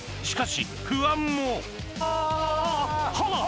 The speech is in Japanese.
しかし不安もあぁハァ！